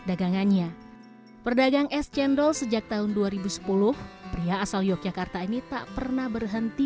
dagangannya perdagang es cendol sejak tahun dua ribu sepuluh pria asal yogyakarta ini tak pernah berhenti